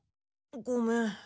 ごめん。